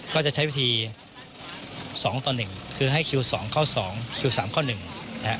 ก็จะใช้วิธีสองต่อหนึ่งคือให้คิวสองเข้าสองคิวสามเข้าหนึ่งนะฮะ